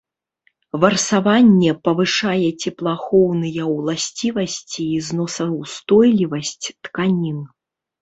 Варсаванне павышае цеплаахоўныя уласцівасці і зносаўстойлівасць тканін.